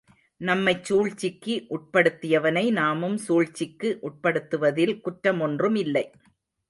நம்மைச் சூழ்ச்சிக்கு உட்படுத்தியவனை நாமும் சூழ்ச்சிக்கு உட்படுத்துவதில் குற்றமொன்றும் இல்லை.